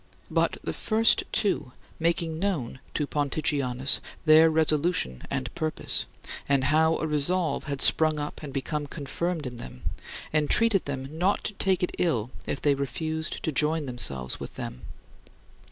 But the first two, making known to Ponticianus their resolution and purpose, and how a resolve had sprung up and become confirmed in them, entreated them not to take it ill if they refused to join themselves with them.